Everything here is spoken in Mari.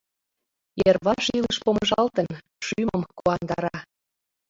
Йырваш илыш помыжалтын, шӱмым куандара.